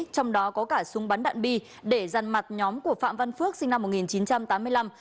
trong đó có cả súng bắn đạn bi để răn mặt nhóm của phạm văn phước sinh năm một nghìn chín trăm tám mươi năm